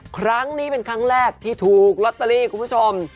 ครั้งนี้เป็นครั้งแรกที่ถูกลอตเตอรี่คุณผู้ชม